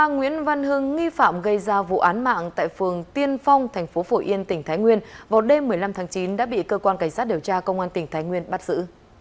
nguyễn văn hưng nghi phạm gây ra vụ án mạng tại phường tiên phong tp phổ yên tỉnh thái nguyên vào đêm một mươi năm tháng chín đã bị cơ quan cảnh sát điều tra công an tỉnh thái nguyên bắt giữ